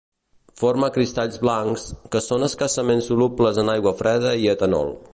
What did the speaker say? Forma cristalls blancs, que són escassament solubles en aigua freda i etanol.